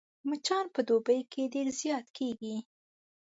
مچان په دوبي کې ډېر زيات کېږي